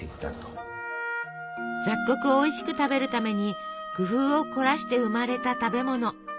雑穀をおいしく食べるために工夫を凝らして生まれた食べ物。